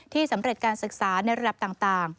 สำเร็จการศึกษาในระดับต่าง